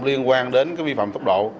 liên quan đến vi phạm tốc độ